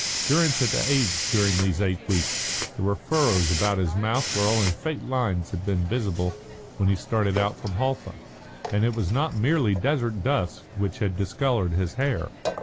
Durrance had aged during these eight weeks. There were furrows about his mouth where only faint lines had been visible when he had started out from Halfa; and it was not merely desert dust which had discoloured his hair.